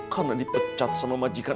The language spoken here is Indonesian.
karena dipecat sama majikan